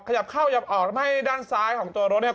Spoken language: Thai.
ขยับเข้าขยับออกทำให้ด้านซ้ายของตัวรถเนี่ย